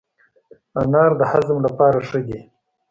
انار د هضم لپاره ښه دی.